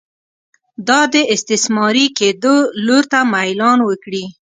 دا د استثماري کېدو لور ته میلان وکړي.